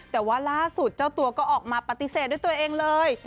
แต่ว่าล่าสุดเจ้าตัวก็ออกมาปฏิเสธด้วยตัวเองเลย